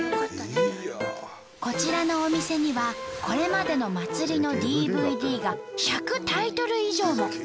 こちらのお店にはこれまでの祭りのＤＶＤが１００タイトル以上も。